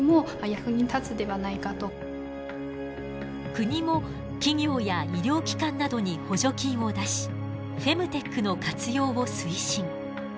国も企業や医療機関などに補助金を出しフェムテックの活用を推進。